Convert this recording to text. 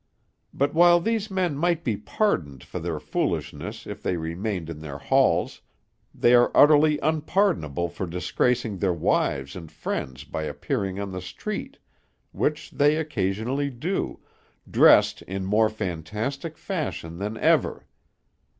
But while these men might be pardoned for their foolishness if they remained in their halls, they are utterly unpardonable for disgracing their wives and friends by appearing on the street, which they occasionally do, dressed in more fantastic fashion than ever.